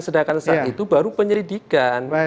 sedangkan saat itu baru penyelidikan